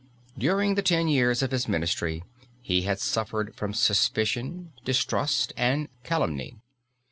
During the ten years of his ministry he had suffered from suspicion, distrust and calumny.